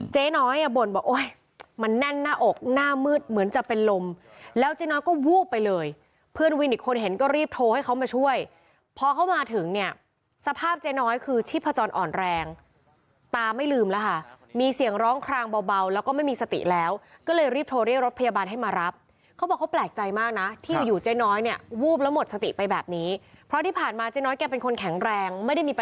เจ๊น้อยอะบ่นบอกโอ้ยมันนั่นหน้าอกหน้ามืดเหมือนจะเป็นลมแล้วเจ๊น้อยก็วูบไปเลยเพื่อนวินอีกคนเห็นก็รีบโทรให้เขามาช่วยพอเขามาถึงเนี่ยสภาพเจ๊น้อยคือชิบพจรอ่อนแรงตาไม่ลืมแล้วค่ะมีเสียงร้องคลางเบาแล้วก็ไม่มีสติแล้วก็เลยรีบโทรเรียกรถพยาบาลให้มารับเขาบอกเขาแปลกใจมากนะที่อยู่เจ๊น้อยเนี่